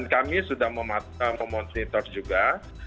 kami sudah memonitor juga